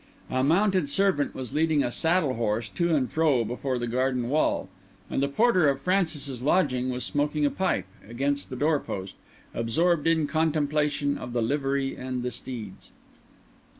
A mounted servant was leading a saddle horse to and fro before the garden wall; and the porter of Francis's lodging was smoking a pipe against the door post, absorbed in contemplation of the livery and the steeds.